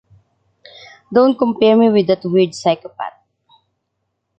Don’t compare me with that weird psychopath.